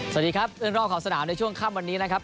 สวัสดีครับเรื่องรอบของสนามในช่วงค่ำวันนี้นะครับ